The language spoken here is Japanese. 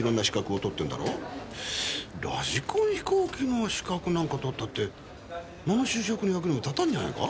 ラジコン飛行機の資格なんか取ったって何の就職の役にも立たんじゃないか？